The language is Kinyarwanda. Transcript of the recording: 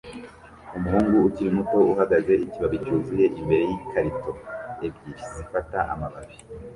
Umuhungu ukiri muto uhagaze ikibabi cyuzuye imbere yikarito ebyiri zifata amababi